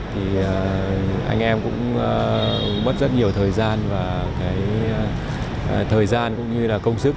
thì anh em cũng mất rất nhiều thời gian và cái thời gian cũng như là công sức